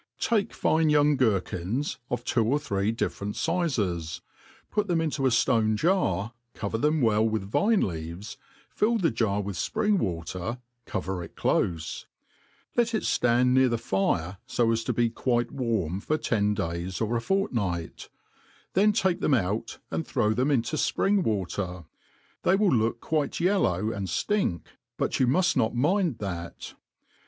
TAKE fine young gerkins, of two or three different fixes } f>ut them into » ilone jar, cover them well with vine leaveaf^ fin the jar with fpring water, cover it dofc } let it ftand near the fire, fo as to be quite warm, for ten days or a fortnight ; then take them out, and throw them into fpring water ; the^ IKrill look quite yellow, and ftink, but you muft not mind that.